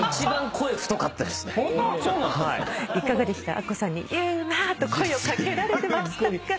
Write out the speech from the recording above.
アッコさんに「雄馬！」と声を掛けられてましたが。